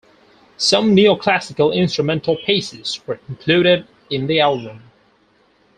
Some neoclassical instrumental pieces were included in the album.